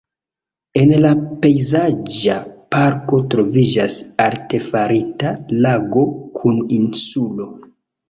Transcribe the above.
En la pejzaĝa parko troviĝas artefarita lago kun insulo.